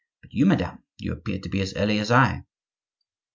"But you, madame, you appear to be as early as I."